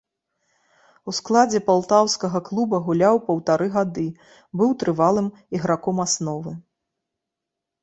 У складзе палтаўскага клуба гуляў паўтары гады, быў трывалым іграком асновы.